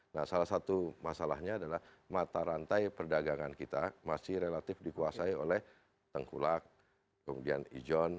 nah salah satu masalahnya adalah mata rantai perdagangan kita masih relatif dikuasai oleh tengkulak kemudian ijon